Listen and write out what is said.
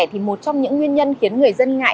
thì một trong những nguyên nhân khiến người dân ngại